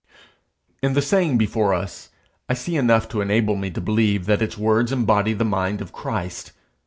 In the saying before us, I see enough to enable me to believe that its words embody the mind of Christ.